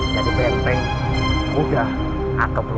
jadi benteng muda atau brune